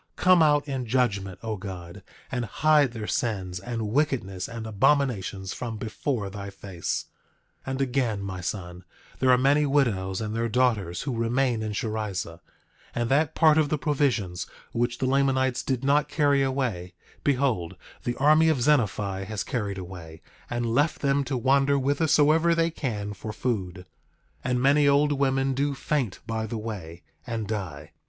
Come out in judgment, O God, and hide their sins, and wickedness, and abominations from before thy face! 9:16 And again, my son, there are many widows and their daughters who remain in Sherrizah; and that part of the provisions which the Lamanites did not carry away, behold, the army of Zenephi has carried away, and left them to wander whithersoever they can for food; and many old women do faint by the way and die.